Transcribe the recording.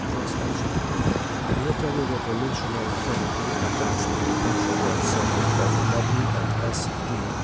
(Translation) Military Revolutionary Committee attached to the Petrograd Soviet of W. & S. D.